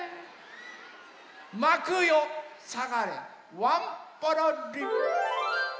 まくよさがれワンポロリン！